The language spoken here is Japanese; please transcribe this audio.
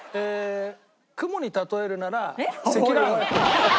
雲に例えるなら積乱雲。